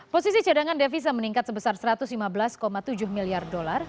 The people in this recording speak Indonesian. posisi cadangan devisa meningkat sebesar satu ratus lima belas tujuh miliar dolar